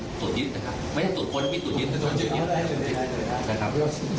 หกสิบล้าน